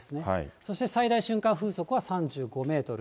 そして最大瞬間風速は３５メートル。